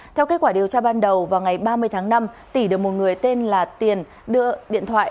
theo kết quả điều tra ban đầu vào ngày ba mươi tháng năm tỉ được một người tên là tiền đưa điện thoại